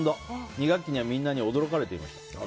２学期にはみんなに驚かれていました。